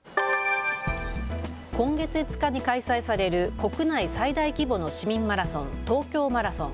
今月５日に開催される国内最大規模の市民マラソン、東京マラソン。